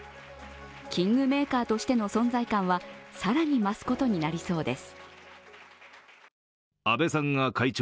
キングメーカーとしての存在感を更に増すことになりそうです。